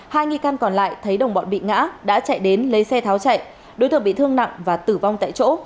hai nghi can còn lại thấy đồng bọn bị ngã đã chạy đến lấy xe tháo chạy đối tượng bị thương nặng và tử vong tại chỗ